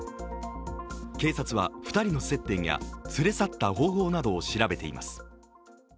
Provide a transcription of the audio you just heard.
警察は２人の接点や連れ去った方法などを調べています。